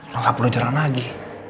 lu gak perlu jalan lagi